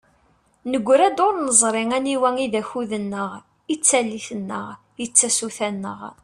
Negra-d ur neẓri aniwa i d akud-nneɣ, i d tallit-nneɣ, i d tasuta-nneɣ.